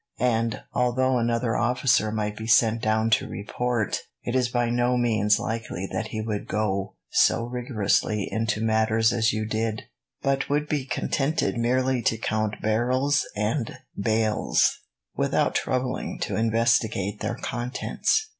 And, although another officer might be sent down to report, it is by no means likely that he would go so rigorously into matters as you did, but would be contented merely to count barrels and bales, without troubling to investigate their contents."